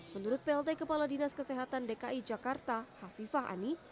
menurut plt kepala dinas kesehatan dki jakarta hafifah ani